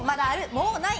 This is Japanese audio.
もうない？